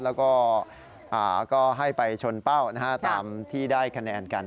แล้วก็ให้ไปชนเป้าตามที่ได้คะแนนกัน